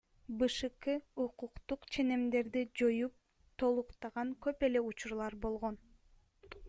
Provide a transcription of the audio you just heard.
БШК укуктук ченемдерди жоюп толуктаган көп эле учурлар болгон.